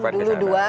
diharapkan ke sana